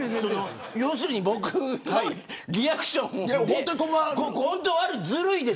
要するに僕のリアクションで。